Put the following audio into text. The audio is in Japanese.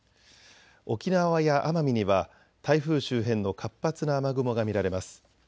沖縄や奄美には台風周辺の活発な雨雲が見られます。